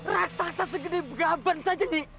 raksasa segede begaban saja